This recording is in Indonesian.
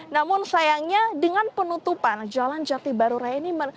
namun sayangnya dengan penutupan jalan jati baru raya ini